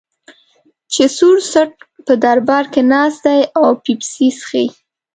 چې سور څټ په دربار کې ناست دی او پیپسي څښي.